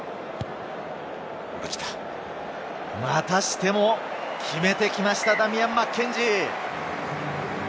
またしても決めてきました、ダミアン・マッケンジー。